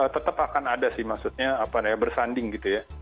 tetap akan ada sih maksudnya bersanding gitu ya